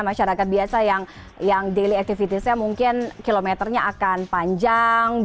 masyarakat biasa yang daily activitiesnya mungkin kilometernya akan panjang